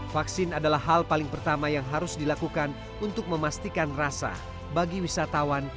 vaksin adalah hal paling pertama yang harus dilakukan untuk memastikan rasa bagi wisatawan